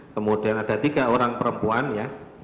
kemudian ada tiga orang perempuan ya